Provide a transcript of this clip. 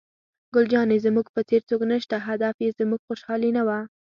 ګل جانې: زموږ په څېر څوک نشته، هدف یې زموږ خوشحالي نه وه.